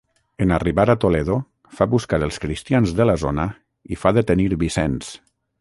En arribar a Toledo, fa buscar els cristians de la zona i fa detenir Vicenç.